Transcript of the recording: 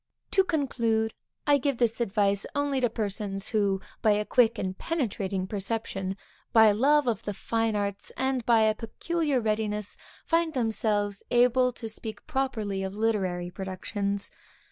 To conclude, I give this advice only to those persons who, by a quick and penetrating perception, by a love of the fine arts, and by a peculiar readiness, find themselves able to speak properly of literary productions.